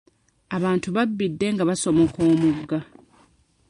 Abantu babbidde nga basomoka omugga.